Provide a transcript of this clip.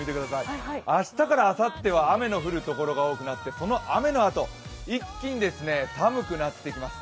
明日からあさっては雨の降るところが多くなって、その雨のあと、一気に寒くなってきます。